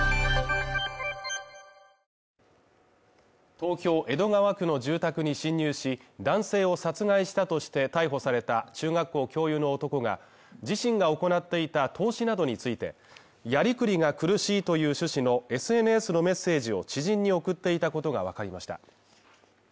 東京江戸川区の住宅に侵入し、男性を殺害したとして逮捕された中学校教諭の男が、自身が行っていた投資などについてやりくりが苦しいという趣旨のＳＮＳのメッセージを知人に送っていたことがわかりました。